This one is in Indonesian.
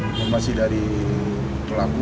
informasi dari pelaku